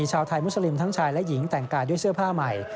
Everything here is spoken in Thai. ชาวไทยมุสลิมทั้งชายและหญิงแต่งกายด้วยเสื้อผ้าใหม่